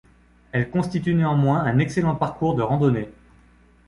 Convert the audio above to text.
Elle constitue néanmoins un excellent parcours de randonnée.